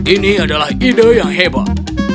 ini adalah ide yang hebat